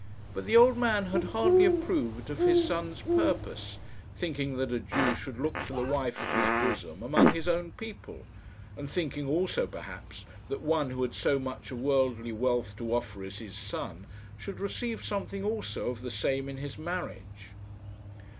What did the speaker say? But the old man had hardly approved of his son's purpose, thinking that a Jew should look for the wife of his bosom among his own people, and thinking also, perhaps, that one who had so much of worldly wealth to offer as his son should receive something also of the same in his marriage.